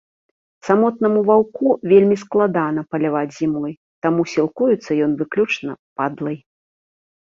Самотнаму ваўку вельмі складана паляваць зімой, таму сілкуецца ён выключна падлай.